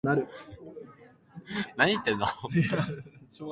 次止まります。